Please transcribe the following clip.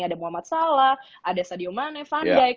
ada muhammad salah ada sadio mane van dijk